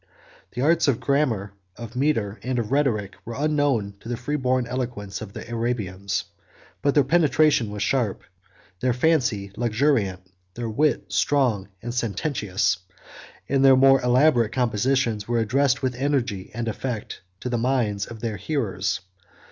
The arts of grammar, of metre, and of rhetoric, were unknown to the freeborn eloquence of the Arabians; but their penetration was sharp, their fancy luxuriant, their wit strong and sententious, 40 and their more elaborate compositions were addressed with energy and effect to the minds of their hearers.